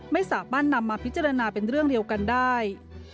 ไม่สามารถนำมาพิจารณาเป็นเรื่องเดียวกันได้